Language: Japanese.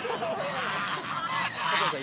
加藤さん